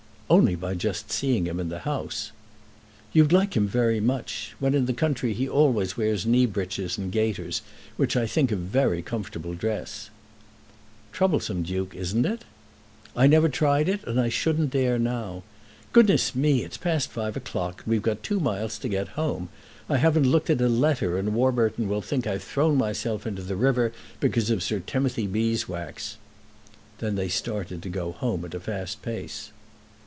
"Only by just seeing him in the House." "You'd like him very much. When in the country he always wears knee breeches and gaiters, which I think a very comfortable dress." "Troublesome, Duke; isn't it?" "I never tried it, and I shouldn't dare now. Goodness, me; it's past five o'clock, and we've got two miles to get home. I haven't looked at a letter, and Warburton will think that I've thrown myself into the river because of Sir Timothy Beeswax." Then they started to go home at a fast pace.